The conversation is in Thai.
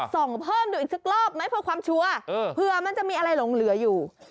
ส่งเพิ่มดูอีกสักรอบไหมเพื่อความชัวร์เผื่อมันจะมีอะไรหลงเหลืออยู่